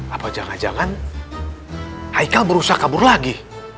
apa jangan jangan ikal berusaha kabur lagi